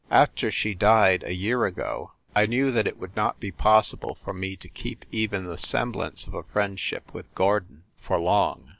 After she died, a year ago, I knew that it would not be possible for me to keep even the semblance of a friendship with Gordon for long.